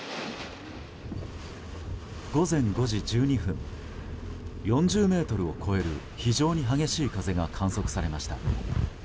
午前５時１２分４０メートルを超える非常に激しい風が観測されました。